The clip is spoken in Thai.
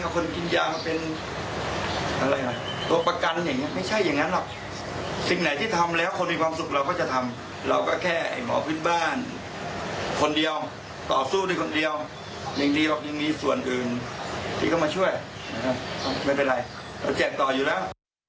แค่หมอพิษบ้านคนเดียวต่อสู้ด้วยคนเดียวยังดีหรอกยังมีส่วนอื่นที่ก็มาช่วยไม่เป็นไรเราแจกต่ออยู่แล้ว